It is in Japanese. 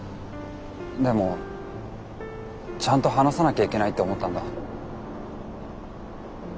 でもちゃんと話さなきゃいけないって思ったんだ。